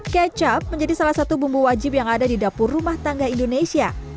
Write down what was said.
kecap menjadi salah satu bumbu wajib yang ada di dapur rumah tangga indonesia